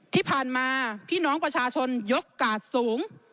ที่ผ่านมาพี่น้องประชาชนยกกาดสูง